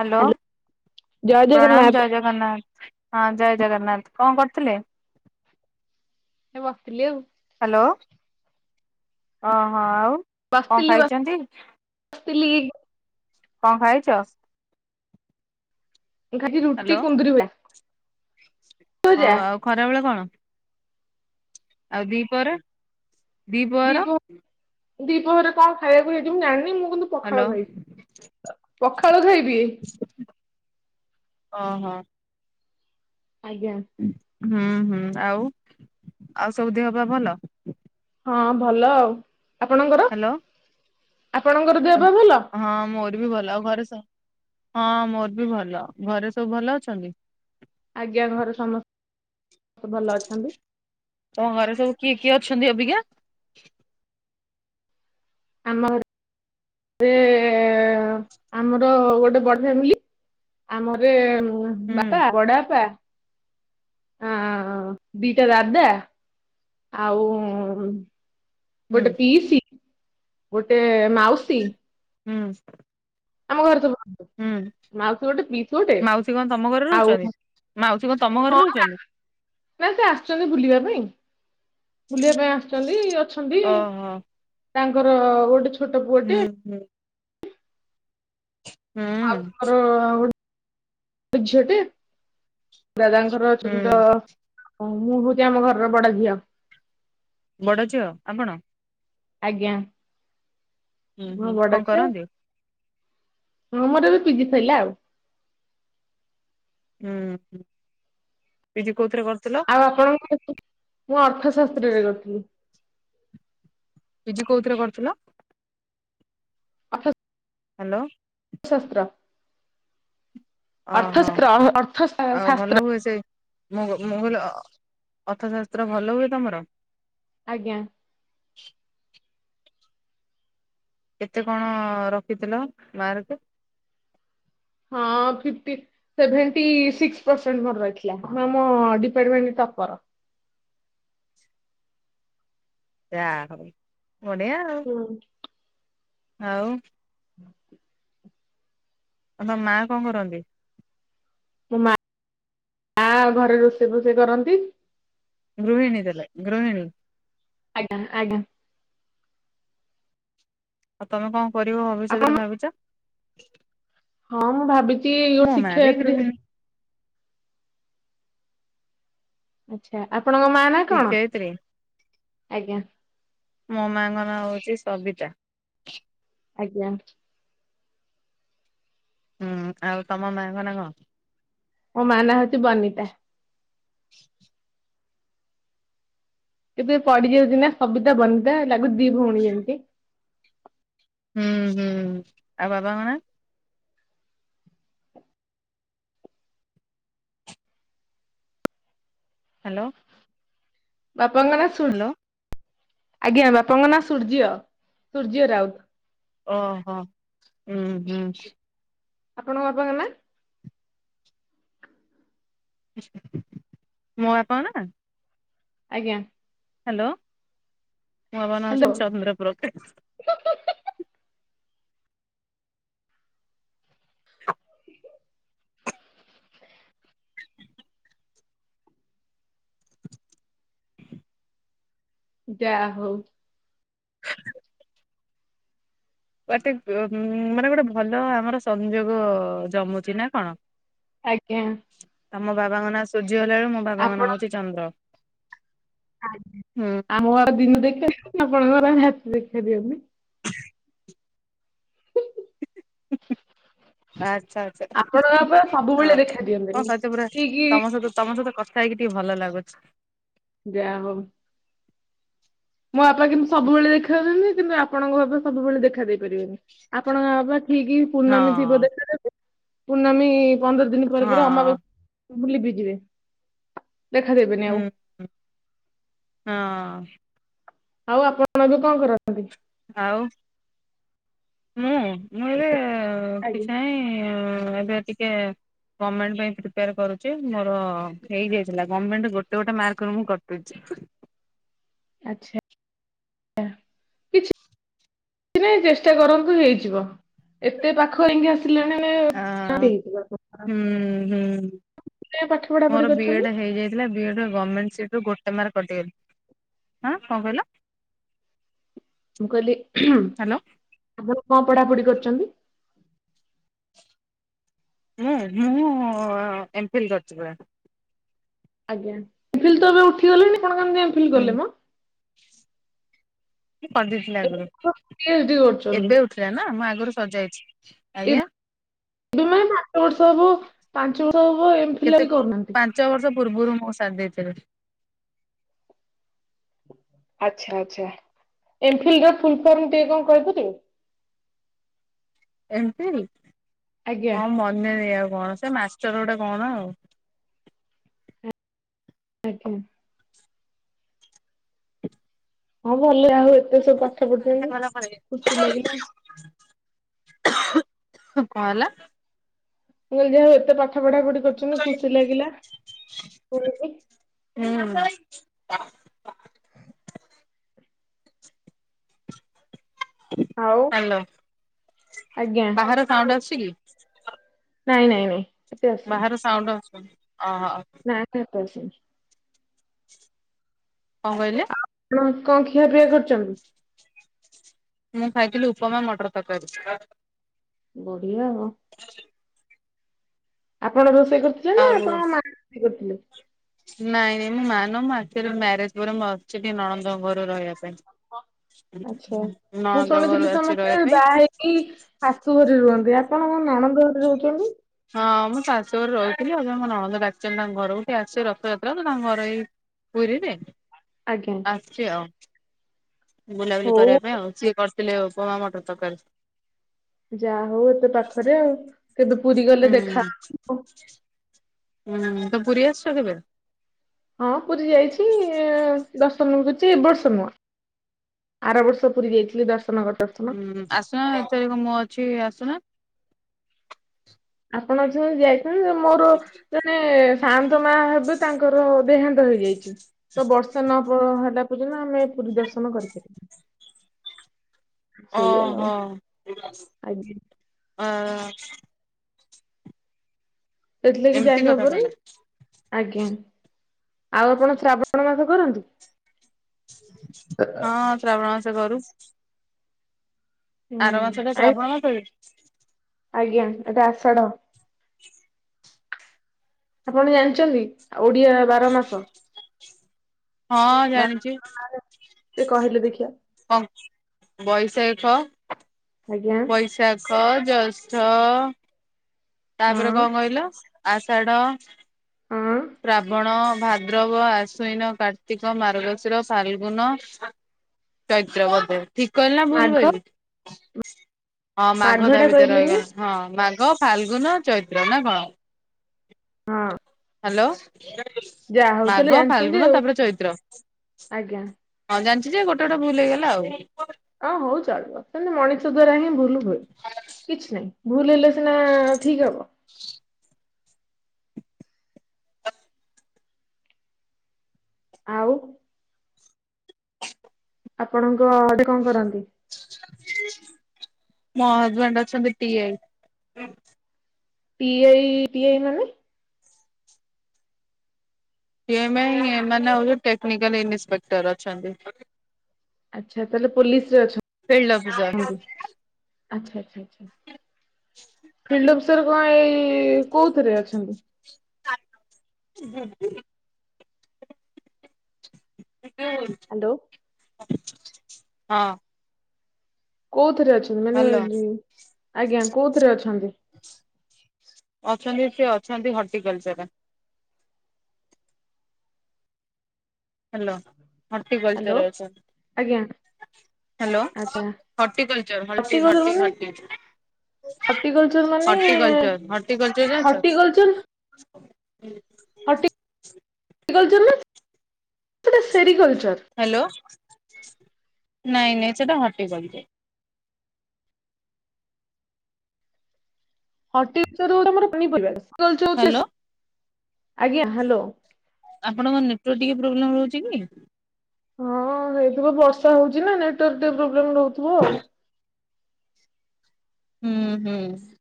Hello, hello ଜୟ ପ୍ରଣାମ ଜଗନ୍ନାଥ। ଜୟ ଜଗ ଜଗନ୍ନାଥ ହଁ ଜୟ ଜଗନ୍ନାଥ। କଣ କରୁଥିଲେ? ଏ ବସିଥିଲି ଆଉ ହାଲୋ, ହଁ ହଁ ଆଉ କଣ ବସିଥିଲ [unintelligible] ଖାଇଛନ୍ତି ବସିଥିଲି। କଣ ଖାଇଛ? ଖାଇଛି ରୁଟି ହ୍ୟାଲୋ କୁନ୍ଦୁରୁଆ। ଓ ଆଉ ଖରାବେଳେ କଣ? ଆଉ ଦିପରେ? ଦୀପ ଦୀପରେ କଣ ଖାଇବାକୁ ହେଇଛି ମୁ ଜାଣିନି, ମୁଁ କିନ୍ତୁ ପଖାଳ ହ୍ୟାଲୋ ଖାଇବି, ପଖାଳ ଖାଇବି। ଓହୋ। ଆଜ୍ଞା। ହୁଁ ହୁଁ, ଆଉ, ଆଉ ସବୁ ଦେହ ପେହ ଭଲ? ହଁ ଭଲ ଆଉ। ଆପଣଙ୍କର? ହାଲୋ। ଆପଣଙ୍କର ଦେହ ପେହ ଭଲ? ହଁ ମୋର ବି ଭଲ, ଆଉ ଘରେ ସ ହଁ ମୋର ବି ଭଲ। ଘରେ ସବୁ ଭଲ ଅଛନ୍ତି? ଆଜ୍ଞା, ଘରେ ସମସ୍ତେ ଭଲ ଅଛନ୍ତି। ତମ ଘରେ ସବୁ କିଏ କିଏ ଅଛନ୍ତି ଅବିକା? ଆମ ଘରେ ସେ ଆମର ଗୋଟେ ବଡ଼ ଫ୍ୟାମିଲି, ଆମର ହୁଁ ବାପା, ବଡ ବାପା, ଦି ଟା ଦାଦା। ଆଉ ହୁଁ ଗୋଟେ ପିସି, ଗୋଟେ ମାଉସୀ। ହୁଁ ଆମ ଘର ହୁଁ ମାଉସୀ କଣ ତମ ଘରେ ଆଉ ରହୁଛନ୍ତି? ମାଉସୀ କଣ ତମ ଘରେ ରହୁଛନ୍ତି? ନାଇ ସେ ଆସିଛନ୍ତି ବୁଲିବା ପାଇଁ। ବୁଲିବା ପାଇଁ ଆସିଛନ୍ତି ଅଛନ୍ତି, ଓହୋ ତାଙ୍କର ଗୋଟେ ଛୋଟ ପୁଅଟେ ହୁଁ ହୁଁ। [inaudible] ମର ଗୋଟେ ଝିଅଟେ। ଦାଦାଙ୍କର ଛୋଟ ହୁଁ ଛୋଟ, ମୁଁ ହଉଛି ଆମ ଘରର ବଡ ଝିଅ। ବଡ଼ ଝିଅ ଆପଣ? ଆଜ୍ଞା। ହୁଁ ମୋ ହୁଁ ବଡ କଣ ଝିଅ କରନ୍ତି? ହଁ ମୋର ଏବେ ପିଜି ସରିଲା ଆଉ। ହୁଁ ହୁଁ ପିଜି କୋଉଥିରେ କରୁଥିଲ? ଆଉ ମୁଁ ଅର୍ଥଶାସ୍ତ୍ରରେ କରୁଥିଲି। ପିଜି କୋଉଥିରେ କରୁଥିଲ? [inaudible] ହାଲୋ। ଶାସ୍ତ୍ର। ଓହୋ ଅର୍ଥଶାସ୍ତ୍ର ଅର୍ଥ ଆଉ ଶାସ୍ତ୍ର ଭଲ ହୁଏ ସେ ମୁ ମୁଁ କହିଲି ଅର୍ଥଶାସ୍ତ୍ର ଭଲ ହୁଏ ତମର। ଆଜ୍ଞା। କେତେ କଣ ରଖିଥିଲ ମାର୍କ? ହଁ ଫିପଟି। ସେଭେଣ୍ଟି ସିକ୍ସ ପରସେଣ୍ଟ ମୋର ରହିଥିଲା ମୁଁ ଆମ ଡିପାର୍ଟମେଣ୍ଟ ଟପର। ଯା ହଉ ବଢିଆ ଆଉ। ହୁଁ। ଆଉ। [inaudible] ଆଉ ତମ ମା କଣ କରନ୍ତି? ମୋ ମା ମା ଘରେ ରୋଷେଇ ଫୋଷେଇ କରନ୍ତି। ଗୃହିିଣୀ ତାହେଲେ ଗୃହିିଣୀ। ଆଜ୍ଞା ଆଜ୍ଞା। ଆଉ ତମେ କଣ କରିବ ଆପଣ ଭବିଷ୍ୟତରେ ଭାବିଛ? ହଁ ମୁଁ ଭାବିଛି ମୋ ଗୋଟେ ମା ବି ଶିକ୍ଷୟତ୍ରୀ ଗୃହିଣୀ ହେବ ଆଚ୍ଛା ଆପଣଙ୍କ ମା ନା କଣ ଶିକ୍ଷୟିତ୍ରୀ ଆଜ୍ଞା। ମୋ ମାଙ୍କ ନା ହଉଛି ସବିତା। ଆଜ୍ଞା। ହୁଁ ଆଉ ତମ ମାଙ୍କ ନା କଣ? ମୋ ମା ନାଁ ହଉଛି ବନିତା। ଏବେ ପଢି ଯାଉଛି ନା ସବିତା ବନିତା ଲାଗୁ ଚି ଦି ଭଉଣୀ ଯେମିତି। ହୁଁ ହୁଁ ଆଉ ବାବାଙ୍କ ନାଁ? ହ୍ୟାଲୋ। ବାପାଙ୍କ ନା ଶୁ ହ୍ୟାଲୋ। ଆଜ୍ଞା ବାପାଙ୍କ ନାଁ ସୂର୍ଯ୍ୟ ସୂର୍ଯ୍ୟ ରାଉତ। ଓହୋ ହୁଁ ହୁଁ। ଆପଣଙ୍କ ବାପାଙ୍କ ନା। ମୋ ବାପାଙ୍କ ନା। ଆଜ୍ଞା। ହ୍ୟାଲୋ ମୋ ବାପଙ୍କ ନା ହ୍ୟାଲୋ ହଉଛନ୍ତି ଚନ୍ଦ୍ରପ୍ରକାଶ। [inaudible] [inaudible] ଯା ହଉ। [unintelligible] ବାଟେ ମାନେ ଗୋଟେ ଭଲ ଆମର ସଂଯୋଗ ଜମୁଛି ନା କଣ? ଆଜ୍ଞା। ତମ ବାବାଙ୍କ ନାଁ ସୁର୍ଯ୍ୟ ହେଲାଳୁକୁ ମୋ ବାବାଙ୍କ ନାଁ ହଉଛି ଚନ୍ଦ୍ର। ଆଜ୍ଞା ହୁଁ ଆମ ବାବା ଦିନ ଦେଖା ଆପଣଙ୍କ ବାବା ରାତିରେ ଦେଖା ଦିଅନ୍ତି। [unintelligible] ଆଚ୍ଛା ଆଛା ଆପଣଙ୍କ ବାପା ହଁ ସବୁବେଳେ ଦେଖା ହଁ ଦିଅନ୍ତିନି ସେତପୁରା ଠିକ ତମ ସହିତ ତମ ସହିତ କଥା ହେଇକି ଟିକେ ଭଲ ଲାଗୁଛି। ଯା ହଉ। ମୋ ବାପା କିନ୍ତୁ ସବୁବେଳେ ଦେଖାଦେବେନି କିନ୍ତୁ ଆପଣଙ୍କ ଭା ସବୁବେଳେ ଦେଖାଦେବେ। ପାରିବେନି ଆପଣଙ୍କ ବାବା ଠିକ ହଁ ପୂର୍ଣ୍ଣମୀ ଥିବ ଦେଖା ଦେବେ ପୂର୍ଣ୍ଣମୀ ପନ୍ଦର ଦିନ ପରେ ପରେ ହଁ ଅମାବା ଲିଭି ଯିବେ ଦେଖାଦେବେନି ଆଉ। ହୁଁ ହଁ। ଆଉ ଆପଣ ଏବେ କଣ କରନ୍ତି? ଆଉ ମୁଁ। ମୁଁ ଏବେ ଆଜ୍ଞା କିଛି ନାହିଁ ଏବେ ଟିକେ ଗଭର୍ଣ୍ଣମେଣ୍ଟ ପାଇଁ ପ୍ରିପେୟାର କରୁଚି ମୋର ହେଇଯାଇଥିଲା ଗଭର୍ଣ୍ଣମେଣ୍ଟ ଗୋଟେ ଗୋଟେ ମାର୍କରେ ମୁଁ କଟୁଚି। ଠ ଆଛା କିଛି ନାଇଁ ଚେଷ୍ଟା କରନ୍ତୁ ହେଇଯିବ ଏତେ ପାଖ [unintelligible] ହଁ ହେଇଯିବ ଆପଣଙ୍କର ଆପଣ ହୁଁ ହୁଁ। [unintelligible] ପାଠ ପଢା ପଢି କରିଛନ୍ତି। ବିଡରୁଗମେଣ୍ଟ ସିଟ୍ ରୁ ଗୋଟେ ମାର୍କ କଟିଗଲା ଆଁ କଣ କହିଲ। ମୁଁ କହିଲି ହ୍ୟାଲୋ ଆପଣ କଣ ପଢାପଢି କରିଚନ୍ତି। ମୁଁ ମୁଁ ଏମଫିଲ କରିଛି ପୁରା। ଆଜ୍ଞା [unintelligible] ଉଠିଗଲେଣି କଣ କେମ୍ ହୁଁ କରିଦେଇଥିଲେ ଆଗରୁ। ପି ଏଚ୍ ଡି କରୁଚନ୍ତି। ଥିଲା ନା ମୁଁ ଆଗରୁ ସରିଯାଇଚି ଆଜ୍ଞା। ଏବେ ମାନେ ପାଞ୍ଚ ବର୍ଷ ହବ ପାଞ୍ଚ ବର୍ଷ ହବ ଏମ୍ ଫିଲ୍ କେତେ ବି କରୁନାହାନ୍ତି। ପାଞ୍ଚ ବର୍ଷ ପୂର୍ବରୁ ମୁଁ ସାରିଦେଇଥିଲି। ଆଚ୍ଛା ଆଚ୍ଛା ଏମଫିଲ୍ ର ଫୁଲ ଫର୍ମ ଟିକେ କଣ କହିପାରିବେ। ଏମ୍ ପିଁଡି ଆଜ୍ଞା। କଁ ମନେ ନାହିଁ ଆଉ କଣ ସେ ମାଷ୍ଟର ଗୋଟେ କଣ ଆଉ। ଆଜ୍ଞା। ହଁ ଭଲ ଆଉ ଏତେ ସବୁ ପାଠ ପଢ଼ିଛନ୍ତି ଖୁସି ଲାଗିଲା। କଣ ହେଲା। ମୁଁ କହିଲି ଯାହା ହଉ ଏତେ ପାଠ ପଢା ପଢି କରିଚନ୍ତି ଖୁସି ଲାଗିଲା। ଶୁଣିକି। ହୁଁ। ଆଉ ହ୍ୟାଲୋ ଆଜ୍ଞା ବାହାରୁ ସାଉଣ୍ଡ ଆସୁଛି କି। ନାଇଁ ନାଇଁ ନାଇଁ। ଏତେ ବାହରୁ ସାଉଣ୍ଡ ଆସୁନି ଅହ। ନା [unintelligible] କଣ କହିଲେ। [unintelligible] କଣ ଖିଆପିଆ କରିଛନ୍ତି। ମୁଁ ଖାଇଥିଲି ଉପମା ମଟର ତରକାରୀ। ବଢିଆ ଆଉ। ଆପଣ ରୋଷେଇ କରୁଚ ଆଉ। [unintelligible] ନାଇଁ ନାଇଁ ମୁଁ ମାନେ ମୁଁ ଆକଚୁଆଲି ମ୍ୟାରେଜ ପରେ ମୁଁ ଆସିଛି ଟିକେ ନଣନ୍ଦଙ୍କ ଘରକୁ ଆଚ୍ଛା ରହିବାକୁ। ନଣନ୍ଦ ଘରୁ ଆସିଛି ରହିବା ପାଇଁ। କି ଶାଶୁ ଘରେ ରୁହନ୍ତି ଆପଣ କଣ ନଣନ୍ଦ ଘରେ ରହୁଚନ୍ତି। ହଁ ମୁଁ ଶାଶୁ ଘରେ ରହୁଥିଲି ଏବେ ମୋ ନଣନ୍ଦ ଡାକିଛନ୍ତି ତାଙ୍କ ଘରକୁ ଟିକେ ଆସିଛି ରଥଯାତ୍ରା ତ ତାଙ୍କ ଘର ହେଇ ପୁରୀରେ। ଆଜ୍ଞା। ଆସଚି ଆଉ ବୁଲାବୁଲି ହଉ କରିବା ପାଇଁ ଆଉ ସିଏ କରିଥିଲେ ଉପମା ମଟର ତରକାରୀ। ଯାହା ହଉ ଏତେ ପାଖରେ ଆଉ। କେବେ ପୁରୀ ଗଲେ ହୁଁ ଦେଖା ହବ। ହୁଁ ତ ପୁରୀ ଆସିଚ କେବେ। ହଁ ପୁରୀ ଯାଇଚି ଦର୍ଶନ କରିଚି ଏ ବର୍ଷ ନୁହଁ। ଆର ବର୍ଷ ପୁରୀ ଯାଇଥିଲି ଦର୍ଶନ କ ହୁଁ ଆସୁନା ଏଥରିକ ମୁଁ ଅଛି ଆସୁନ। ଆପଣ ଅଛନ୍ତି ଯାଇଥାନ୍ତି ଯେ ମୋର ଜଣେ ସାନ୍ତ ମା ହେବେ ତାଙ୍କର ଦେହାନ୍ତ ହେଇଯାଇଛି ତ ବର୍ଷ ନ ହେଲା ପର୍ଯ୍ୟନ୍ତ ଆମେ ପୁରୀ ଦର୍ଶନ କରିପାର ଆଉ ଓହୋ ଆଜ୍ଞା। ଅ ସେଥିଲାଗି ଏମିତି କଥା ଯାଇହବରୁ ତାହେଲେ ଆଜ୍ଞା ଆଉ ଆପଣ ଶ୍ରାବଣ ମାସ କରନ୍ତି? [inaudible] [unintelligible] ହଁ ଶ୍ରାବଣ ମାସ କରୁ। ହୁଁ ଆର ମାସଟା ଆଇଁ ଶ୍ରାବଣ ମାସ କି? ଆଜ୍ଞା ଏଟା ଆଷାଢ଼। ଆପଣ ଜାଣିଛନ୍ତି ଓଡିଆ ବାର ମାସ? ହଁ ଜାଣିଛି ବାର ଟିକେ କହିଲେ ଦେଖିଆ କ ବୈଶାଖ ଆଜ୍ଞା। ବିଶାଖ ଜୈଷ୍ଠ ତାପରେ ହଁ କଣ କହିଲ ଆଷାଢ ହଁ ଶ୍ରାବଣ, ଭାଦ୍ରବ, ଆଶ୍ୱିନ, କାର୍ତ୍ତିକ, ମାର୍ଗଶିର, ଫାଲଗୁନ ଚୈତ୍ର ବୋଧେ ଠିକ କହିଲି ନା ଭୁଲ ମାଘ କହିଲି? ହଁ ମାଘ ତା ଟା ଭିତରେ କହିଲେନି ରହିଗଲା ହଁ ମାଘ, ଫାଲଗୁନ, ଚୈତ୍ର ନା କଣ? ହଁ ହାଲୋ ଯାହା ହଉ ତାହେଲେ ମାଘ, ଜାଣିଛନ୍ତି ଫାଲଗୁନ ଆଉ ତାପରେ ଚୈତ୍ର। ଆଜ୍ଞା ହଁ ଜାଣିଛି ଯେ ଗୋଟେ ଗୋଟେ ଭୁଲ ହେଇଗଲା ଆଉ। ଅଁ ହଉ ଚଳିବ ସେମିତି ମଣିଷ ଦ୍ଵାରା ହିଁ ଭୁଲ ହୁଏ କିଛି ନାହିଁ। ଭୁଲ ହେଲେ ସିନା ଠିକ ହବ। ଆଉ। ଆପଣଙ୍କ ଅଡେ କଣ କରନ୍ତି? ମୋ ହଜବେଣ୍ଡ ଅଛନ୍ତି T I. T I T I ମାନେ? ଟି ଆଇ ମାଇ ମାନେ ଟେକନିକାଲ ଇନସପେକ୍ଟର ଅଛନ୍ତି। ଆଚ୍ଛା ତାହେଲେ ପୋଲିସ ରେ ଅଛ ଫିଲ୍ଡ ଅଫିସର ଆଛା ଆଛା ଆଛା। ଫିଲ୍ଡ ଅଫିସର କଣ ଏଇ କୋଉଥିରେ ଅଛନ୍ତି? [unintelligible] [unintelligible] ହାଲୋ। [unintelligible] ହଁ। କୋଉଥିରେ ଅଛନ୍ତି ମାନେ ହ୍ୟାଲୋ ହ୍ନ ଆଜ୍ଞା କୋଉଥିରେ ଅଛନ୍ତି? ଅଛନ୍ତି ସେ ଅଛନ୍ତି ହର୍ଟିକଲଚରରେ। Hello horticulture hello. ରେ ଅଛ ଆଜ୍ଞା ହାଲୋ ଆଚ୍ଛା ହଟିକଲଚର ହଲଟି ହଟି ହଟି। ହଟିକଲଚର ମାନେ ହର୍ଟିକଲଚର ଜାଣିଛ? ହଟିକଲଚର। [unintelligible] ହଟି କଲଚର ନା। ସେଟା ସେରିକଲଚର୍। ହାଲୋ ନାଇଁ ନାଇଁ ସେଟା ହଟିକଲଚର। ହଟିକଲଚର ହଉଚି ତମର ପନିପରିବା ହ୍ୟାଲୋ [unintelligible] ଆଜ୍ଞା ହାଲୋ। ଆପଣଙ୍କ ନେଟୱାର୍କ ଟିକେ ପ୍ରୋବ୍ଲେମ ରହୁଚି କି? ହଁ ହେଇଥିବ ବର୍ଷା ହଉଛି ନା ନେଟୱାର୍କ ଟିକେ ପ୍ରୋବ୍ଲେମ ରହୁଥିବ ଆଉ। ହମ୍ ହମ୍।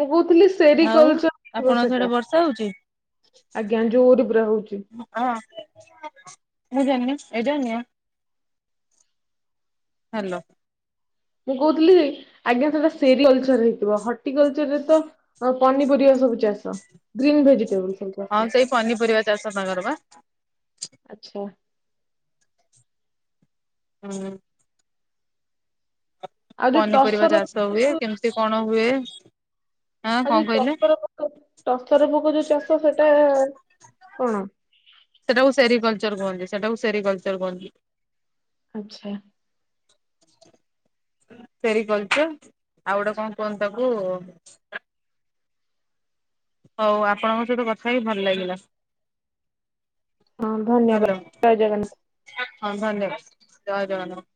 ମୁଁ କହୁଥିଲି ସେରିକଲଚର ହେଇଥିବ ଆପଣଙ୍କ ସିଆଡେ ସେଟା ବର୍ଷା ହଉଛି? ଆଜ୍ଞା ଜୁରରେ ପୁରା ହଉଛି। ହଁ ମୁଁ ଜାଣିନି ଏଇଡ଼ା ନିଅ। ହାଲୋ। ମୁଁ କହୁଥିଲି ଆଜ୍ଞା ସେଟା ସେରି କଲଚର ହେଇଥିବ ହଟିକଲଚରରେ ତ ପନିପରିବା ସବୁ ଚାଷ ଗ୍ରୀନ୍ ଭେଜିଟେବୁଲ ସବୁ ହଁ ଚାଷ ସେଇ ପନିପରିବା ଚାଷ ତାଙ୍କର ବା। ଆଚ୍ଛା। ହୁଁ। ଆଉ ଯୋଉ ପନିପରିବା ଟସର ଚାଷ ହୁଏ କେମତି କଣ ହୁଏ? ଆଁ କଣ ଆଉ ଯୋଉ କହିଲେ? ଟସର ଟସର ପୋକ ଯୋଉ ଚାଷ ସେଟା କଣ? ସେଇଟାକୁ ସେରି କଲଚର କୁହନ୍ତି, ସେଇଟାକୁ ସେରି କଲଚର କୁହନ୍ତି। ଆଚ୍ଛା। [inaudible] ସେରି କଲଚର, ଆଉ ଗୋଟେ କଣ କୁହନ୍ତି ତାକୁ ହଉ ଆପଣଙ୍କ ସହିତ କଥା ହେଇ ଭଲ ଲାଗିଲା। ହଁ ଧନ୍ୟବାଦ, ହ୍ୟାଲୋ ଜୟ ଜଗନ୍ନାଥ। ହଁ ଧନ୍ୟବାଦ, ଜୟ ଜଗନ୍ନାଥ।